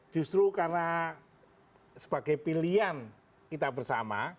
justru karena sebagai pilihan kita bersama